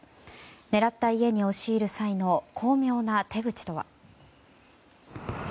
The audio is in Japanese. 狙った家に押し入る際の巧妙な手口とは。